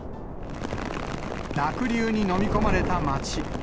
濁流にのみ込まれた町。